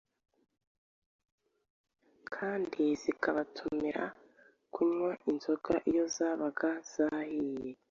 kandi zikabatumira kunywa inzoga iyo zabaga zahiye.